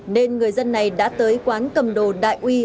nên người dân này đã tới quán cầm đồ đại uy